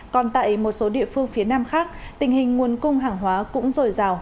còn tại một số địa phương phía nam khác tình hình nguồn cung hàng hóa cũng dồi dào